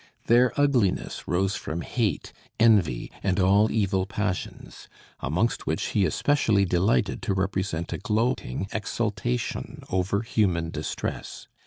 Their ugliness rose from hate, envy, and all evil passions; amongst which he especially delighted to represent a gloating exultation over human distress.